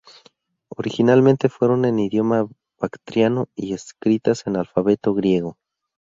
Originalmente, fueron en Idioma bactriano y escritas en alfabeto griego.